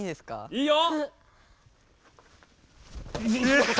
いいよ！